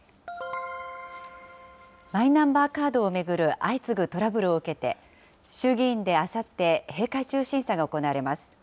マイナンバーカードを巡る相次ぐトラブルを受けて、衆議院であさって閉会中審査が行われます。